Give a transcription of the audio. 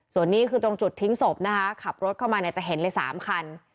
ส่วนนี้คือตรงจุดทิ้งศพนะคะขับรถเข้ามาเนี่ยจะเห็นเลย๓คัน